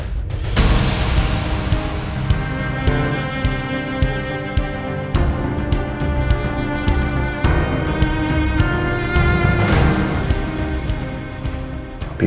kami sudah menang